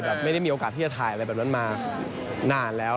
ไม่ได้มีโอกาสที่จะถ่ายอะไรแบบนั้นมานานแล้ว